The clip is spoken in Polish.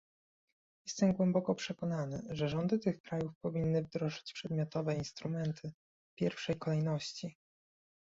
Jestem głęboko przekonany, że rządy tych krajów powinny wdrożyć przedmiotowe instrumenty w pierwszej kolejności